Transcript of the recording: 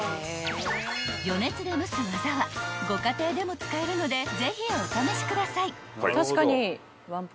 ［余熱で蒸す技はご家庭でも使えるのでぜひお試しください］